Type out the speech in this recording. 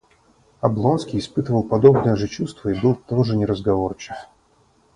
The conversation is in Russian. Облонский испытывал подобное же чувство и был тоже неразговорчив.